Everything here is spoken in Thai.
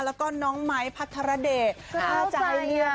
แล้วก็น้องไม้พัทรเดชถ้าจะให้เลือก